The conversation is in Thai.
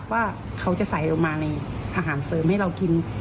ว่าเขาจะใส่ลงมาในอาหารเสริมให้เรากิน